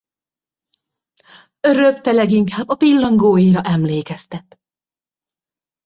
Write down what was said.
Röpte leginkább a pillangóéra emlékeztet.